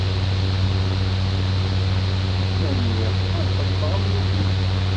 Ma nniɣ: ad xedmeɣ am nutni.